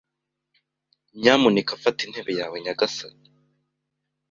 Nyamuneka fata intebe yawe, nyagasani.